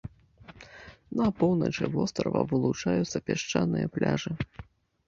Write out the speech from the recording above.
На поўначы вострава вылучаюцца пясчаныя пляжы.